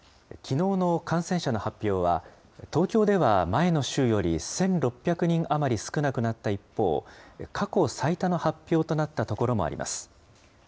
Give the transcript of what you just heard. きのうの感染者の発表は、東京では前の週より１６００人余り少なくなった一方、過去最多の発表となった所もあります。